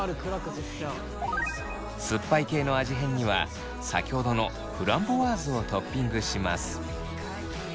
酸っぱい系の味変には先ほどのフランボワーズをトッピングします。